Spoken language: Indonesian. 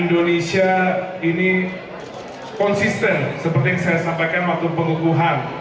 indonesia ini konsisten seperti yang saya sampaikan waktu pengukuhan